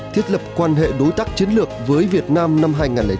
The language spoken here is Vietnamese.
thiết lập quan hệ đối tác chiến lược với việt nam năm hai nghìn chín